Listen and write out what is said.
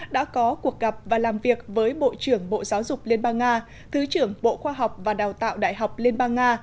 đã có cuộc gặp và làm việc với bộ trưởng bộ giáo dục liên bang nga thứ trưởng bộ khoa học và đào tạo đại học liên bang nga